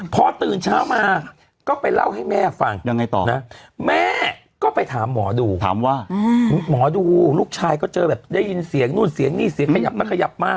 พอตื่นเช้ามาก็ไปเล่าให้แม่ฟังยังไงต่อนะแม่ก็ไปถามหมอดูถามว่าหมอดูลูกชายก็เจอแบบได้ยินเสียงนู่นเสียงนี่เสียงขยับมาขยับมา